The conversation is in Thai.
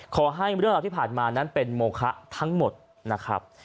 ขอให้เรื่องราวที่ผ่านมานั้นเป็นโมคะทั้งหมดนะครับ